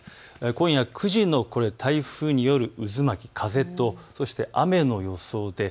今夜９時の台風、渦巻き、風とそして雨の予想です。